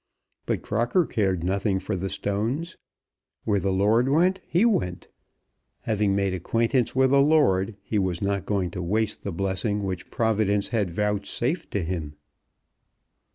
But Crocker cared nothing for the stones. Where the lord went, he went. Having made acquaintance with a lord, he was not going to waste the blessing which Providence had vouchsafed to him.